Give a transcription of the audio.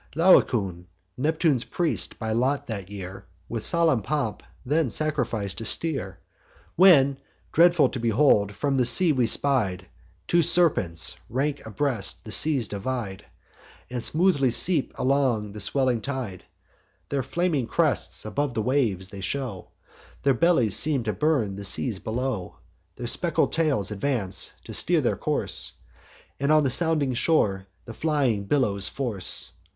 Laocoon, Neptune's priest by lot that year, With solemn pomp then sacrific'd a steer; When, dreadful to behold, from sea we spied Two serpents, rank'd abreast, the seas divide, And smoothly sweep along the swelling tide. Their flaming crests above the waves they show; Their bellies seem to burn the seas below; Their speckled tails advance to steer their course, And on the sounding shore the flying billows force.